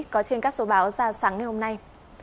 có trên các số báo ra sáng ngày hôm nay